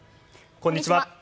こんにちは。